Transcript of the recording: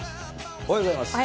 おはようございます。